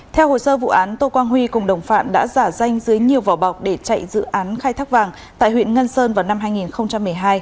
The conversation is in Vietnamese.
theo hồ sơ vụ án tô quang huy cùng đồng phạm đã giả danh dưới nhiều vỏ bọc để chạy dự án khai thác vàng tại huyện ngân sơn vào năm hai nghìn một mươi hai